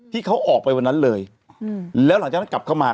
ที่เขาออกไปวันนั้นเลยแล้วหลังจากนั้นกลับเข้ามา